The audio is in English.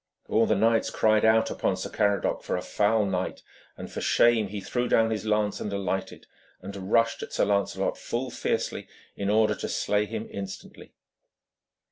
All the knights cried out upon Sir Caradoc for a foul knight, and for shame he threw down his lance and alighted, and rushed at Sir Lancelot full fiercely, in order to slay him instantly.